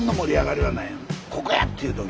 ここや！っていう時。